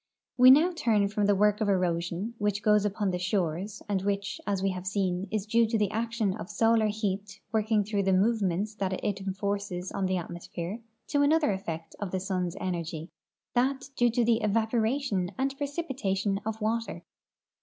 \\'e turn now from the work of erosion which goes on upon the shores, and which, as we have seen, is due to the action of solar heat working through the movements that it enforces on the atmosphere, to another effect of the sun's energ\% that due to the evaporation and precipitation of water.